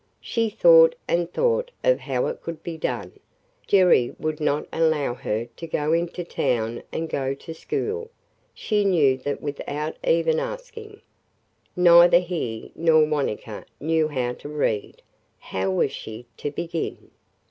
She thought and thought of how it could be done. Jerry would not allow her to go into town and go to school: she knew that without even asking. Neither he nor Wanetka knew how to read. How was she to begin?